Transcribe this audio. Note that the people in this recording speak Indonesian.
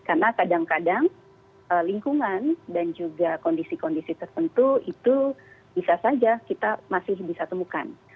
karena kadang kadang lingkungan dan juga kondisi kondisi tertentu itu bisa saja kita masih bisa temukan